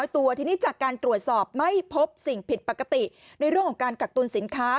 ตัวทีนี้จากการตรวจสอบไม่พบสิ่งผิดปกติในเรื่องของการกักตุลสินค้า